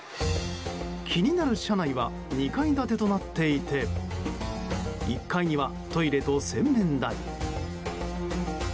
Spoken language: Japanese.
気になる車内は２階建てとなっていて１階にはトイレと洗面台。